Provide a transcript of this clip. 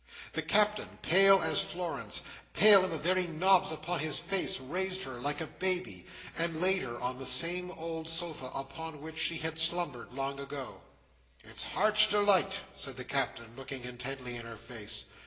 The Captain, pale as Florence, pale in the very knobs upon his face, raised her like a baby, and laid her on the same old sofa upon which she had slumbered long ago. "It's Heart's Delight!" said the Captain, looking intently in her face.